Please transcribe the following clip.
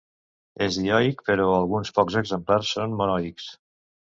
És dioic però alguns pocs exemplars són monoics.